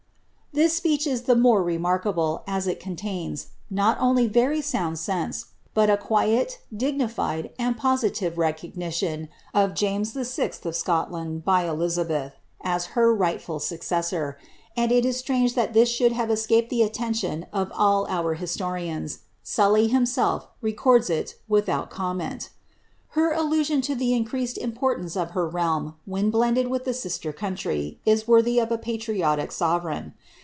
''' This speech is the more remarkable, as it contains, not onlv very souml (tense, hut a quiet, dignilied, and positive recognition of James VI. of ■ LIIABBTH. 907 leodand hy Eliabeth, as her rightfal saccessor, and it is strange tliat tfak should have escaped the attention of all our historians ; Sally him sslf records it without comment. Her allusion to the increased import apce of her reaim, when blended with the sifter country, is worthy of a patriotic sorereign.